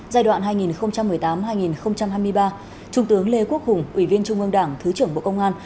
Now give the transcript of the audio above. giai đoạn hai nghìn một mươi tám hai nghìn hai mươi ba trung tướng lê quốc hùng ủy viên trung ương đảng thứ trưởng bộ công an